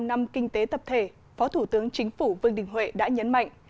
trong một mươi năm năm kinh tế tập thể phó thủ tướng chính phủ vương đình huệ đã nhấn mạnh